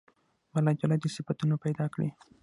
بله ډله دې صفتونه پیدا کړي.